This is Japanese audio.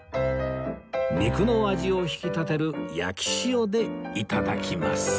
肉の味を引き立てる焼き塩で頂きます